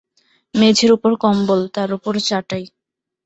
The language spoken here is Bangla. মেঝের উপর কম্বল, তার উপর চাটাই।